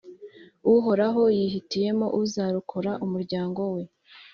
Uhoraho yihitiyemo uzarokora umuryango we